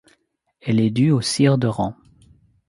Elle est due aux sires de Rang.